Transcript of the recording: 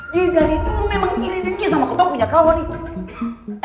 dia dari dulu memang kiri dengki sama kotong punya kau nih